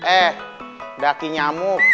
eh daki nyamuk